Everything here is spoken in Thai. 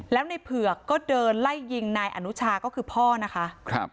แล้วในเผือกก็เดินไล่ยิงนายอนุชาก็คือพ่อนะคะครับ